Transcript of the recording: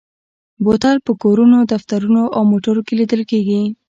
بوتل په کورونو، دفترونو او موټرو کې لیدل کېږي.